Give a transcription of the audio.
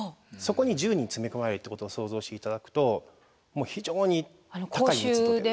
そこに１０人詰め込まれるってことを想像して頂くともう非常に高い密度。